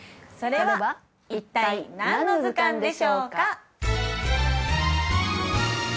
それは一体何の図鑑でしょうか？